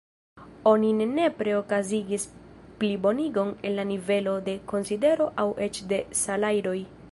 Tio ne nepre okazigis plibonigon en la nivelo de konsidero aŭ eĉ de salajroj.